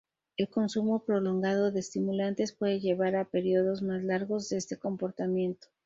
El consumo prolongado de estimulantes puede llevar a períodos más largos de este comportamiento.